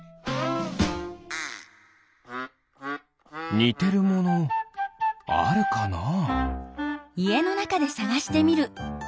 にてるものあるかなあ？